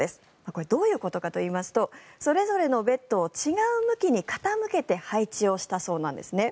これ、どういうことかといいますとそれぞれのベッドを違う向きに傾けて配置をしたそうなんですね。